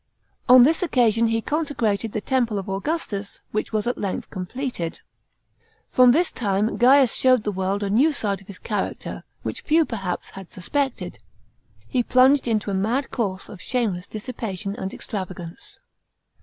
On this occasion he consecrated the temple of Augustus, which was at length completed. From this time Gaius showed the world a new side of his character, which few perhaps had suspected. He plunged into a mad course of shameless dissi pation and extravagance.